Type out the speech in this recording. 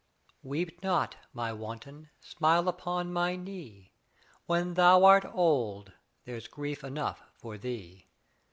Weep not, my wanton, smile upon my knee. When thou art old, there's grief enough for thee.